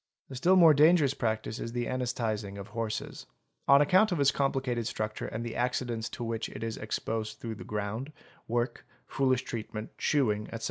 — A still more dangerous practice is the anesthetising of horses. On account of its complicated structure and the accidents to which it is exposed through the ground, work, foolish treatment, shoeing, etc.